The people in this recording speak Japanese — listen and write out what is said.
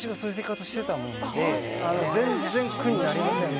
全然苦になりませんね。